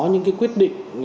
những cái quyết định